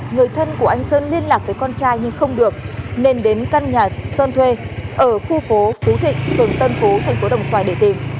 người thân của anh sơn liên lạc với con trai nhưng không được nên đến căn nhà sơn thuê ở khu phố phú thịnh phường tân phú thành phố đồng xoài để tìm